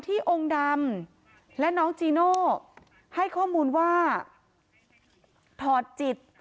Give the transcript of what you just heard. องค์ดำและน้องจีโน่ให้ข้อมูลว่าถอดจิต